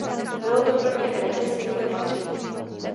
Bylo to pro ně represivní opatření.